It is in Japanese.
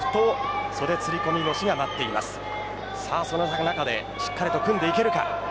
その中でしっかりと組んでいけるか。